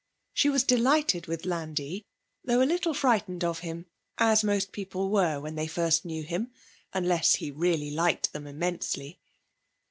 She was delighted with Landi, though a little frightened of him, as most people were when they first knew him, unless he really liked them immensely.